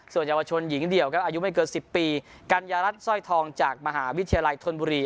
ส่วนเยาวชนหญิงเดี่ยวครับอายุไม่เกิน๑๐ปีกัญญารัฐสร้อยทองจากมหาวิทยาลัยธนบุรี